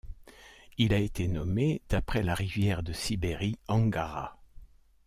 Il a été nommé d'après la rivière de Sibérie Angara.